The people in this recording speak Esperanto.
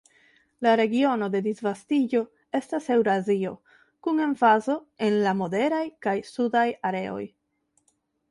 La regiono de disvastiĝo estas Eŭrazio, kun emfazo je la moderaj kaj sudaj areoj.